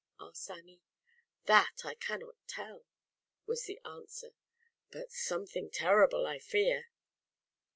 asked Annie. "That, I can not tell," was the an swer, "but something terrible, I fear."